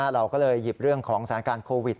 เราก็เลยหยิบเรื่องของสถานการณ์โควิด